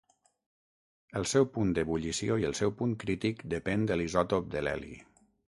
El seu punt d'ebullició i el seu punt crític depèn de l’isòtop de l’heli.